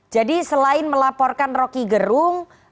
jadi selain melaporkan roky gerung